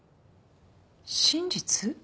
真実？